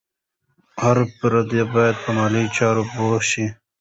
هر فرد باید په مالي چارو پوه شي.